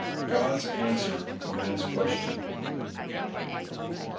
god's answer to man's question.